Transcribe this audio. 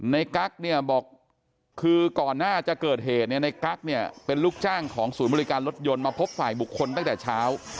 กั๊กเนี่ยบอกคือก่อนหน้าจะเกิดเหตุเนี่ยในกั๊กเนี่ยเป็นลูกจ้างของศูนย์บริการรถยนต์มาพบฝ่ายบุคคลตั้งแต่เช้า